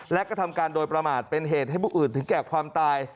และกระทำการโดยประมาทเป็นเหตุให้ผู้อื่นถึงแก่ความตาย